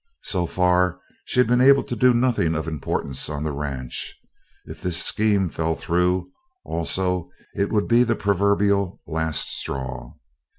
So far she had been able to do nothing of importance on the ranch; if this scheme fell through also it would be the proverbial last straw.